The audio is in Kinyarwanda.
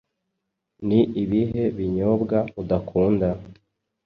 Ni ibihe binyobwa udakunda?